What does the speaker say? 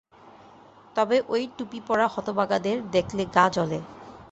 তবে ঐ টুপিপরা হতভাগাদের দেখলে গা জ্বলে।